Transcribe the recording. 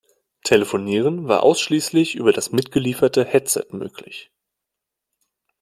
Telefonieren war ausschließlich über das mitgelieferte Headset möglich.